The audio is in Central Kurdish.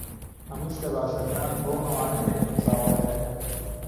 ھەموو شتە باشەکان بۆ ئەوانە دێن کە چاوەڕێ دەکەن.